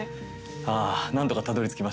あ何とかたどりつきました。